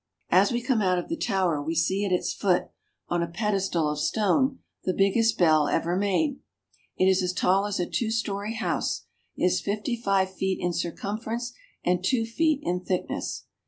As we come out of the Tower we see at its foot, on a pedestal of stone, the big gest bell ever made. It is as tall as a two story house, is fifty five feet in circumference, and two feet in thickness.